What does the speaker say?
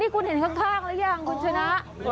คุณเห็นข้างหรือยังคุณชนะ